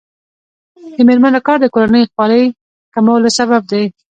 د میرمنو کار د کورنۍ خوارۍ کمولو سبب دی.